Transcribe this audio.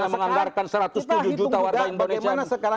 mengandalkan satu ratus tujuh juta warga indonesia